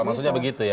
maksudnya begitu ya